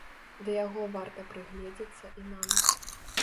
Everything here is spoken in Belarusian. Да яго варта прыгледзецца і нам.